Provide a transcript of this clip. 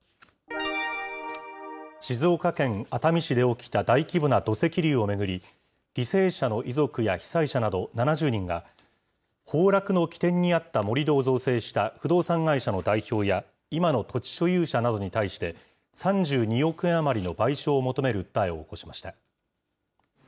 静岡県熱海市で起きた大規模な土石流を巡り、犠牲者の遺族や被災者など７０人が、崩落の危険にあった盛り土を造成した不動産会社の代表や、今の土地所有者などに対して、３２億円余りの賠償を求める訴えを起こしました。